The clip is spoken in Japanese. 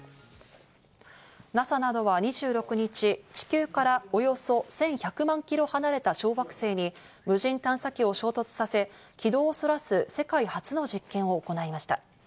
ＮＡＳＡなどは２６日、地球からおよそ１１００万キロ離れた小惑星に無人探査機を衝突させ、軌道をそらす世界初の実験を行いました。